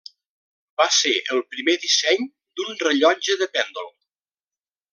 Va ser el primer disseny d'un rellotge de pèndol.